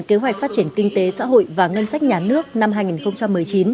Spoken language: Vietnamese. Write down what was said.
kế hoạch phát triển kinh tế xã hội và ngân sách nhà nước năm hai nghìn một mươi chín